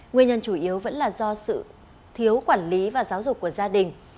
nguyên nhân chủ yếu vẫn là do sự thiếu quản lý và giáo dục của gia đình